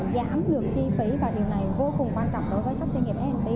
giảm lượng chi phí và điều này vô cùng quan trọng đối với các doanh nghiệp f d